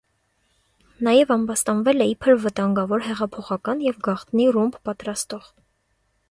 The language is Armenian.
Նաև ամբաստանվել է իբր վտանգավոր հեղափոխական և գաղտնի ռումբ պատրաստող։